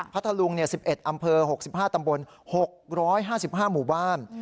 พัทธลุง๑๑อำเภอ๖๕ตำบล๖๕๕หมู่บ้าน